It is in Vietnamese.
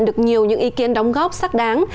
được nhiều những ý kiến đóng góp sắc đáng